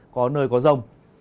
có nơi có rông